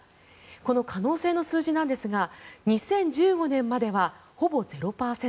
この可能性の数字なんですが２０１５年までは、ほぼ０％